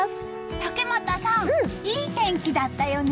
竹俣さん、いい天気だったよね！